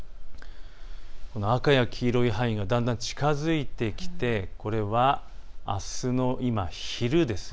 この赤や黄色い範囲がだんだん近づいてきて、これはあすの昼です。